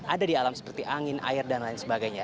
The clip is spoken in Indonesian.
ada di alam seperti angin air dan lain sebagainya